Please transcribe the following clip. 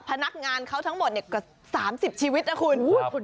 พนักงานเขาทั้งหมดกว่า๓๐ชีวิตนะคุณ